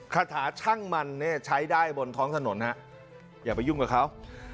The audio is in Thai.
คาถาช่างมันเนี่ยใช้ได้บนท้องถนนฮะอย่าไปยุ่งกับเขา